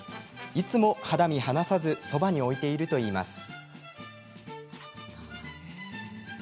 いつも肌身離さずそばに置いているといいます。